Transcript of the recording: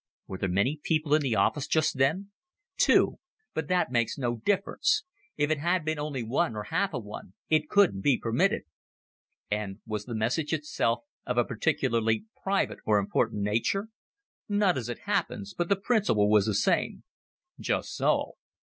"Were there many people in the office just then?" "Two. But that makes no difference. If it had been only one or half a one it couldn't be permitted." "And was the message itself of a particularly private or important nature?" "Not as it happens. But the principle was the same." "Just so."